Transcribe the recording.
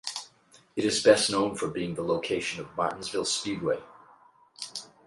It is best known for being the location of Martinsville Speedway.